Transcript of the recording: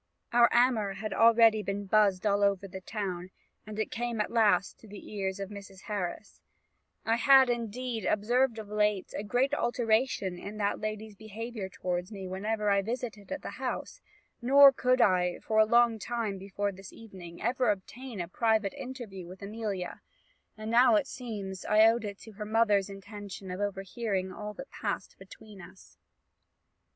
"Our amour had already been buzzed all over the town; and it came at last to the ears of Mrs. Harris: I had, indeed, observed of late a great alteration in that lady's behaviour towards me whenever I visited at the house; nor could I, for a long time before this evening, ever obtain a private interview with Amelia; and now, it seems, I owed it to her mother's intention of overhearing all that passed between us.